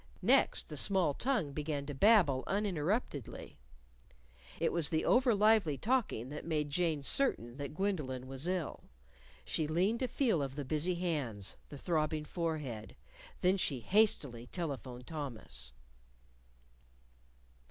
Next, the small tongue began to babble uninterruptedly. It was the overlively talking that made Jane certain that Gwendolyn was ill. She leaned to feel of the busy hands, the throbbing forehead. Then she hastily telephoned Thomas.